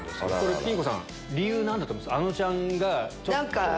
ピン子さん理由何だと思いますか？